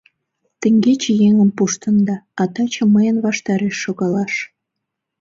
Теҥгече еҥым пуштында, а таче мыйын ваштареш шогалаш.